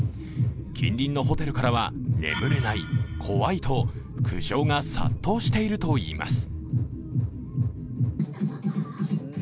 近隣のホテルからは、眠れない、怖いと苦情が殺到しているといいます。